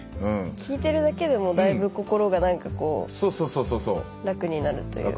聞いてるだけでもだいぶ心が何かこう楽になるというか。